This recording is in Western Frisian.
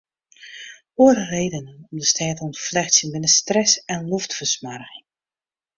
Oare redenen om de stêd te ûntflechtsjen binne stress en loftfersmoarging.